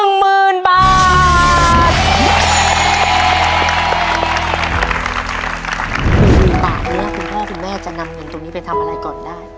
หมื่นบาทเนี่ยคุณพ่อคุณแม่จะนำเงินตรงนี้ไปทำอะไรก่อนได้